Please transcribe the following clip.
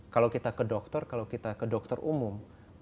kalau kita ke dokter kalau kita ke dokter umum